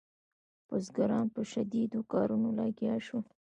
بزګران په شدیدو کارونو لګیا شول.